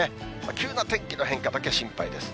急な天気の変化だけ心配です。